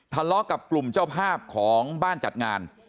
ทะเลาะกับกลุ่มเจ้าภาพของบ้านจัดงาน